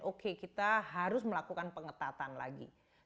oke kita harus melakukan pengetatan lagi